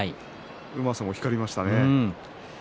うまさも光りましたね。